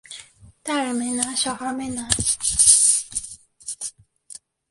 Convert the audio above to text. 大人没拿小孩没拿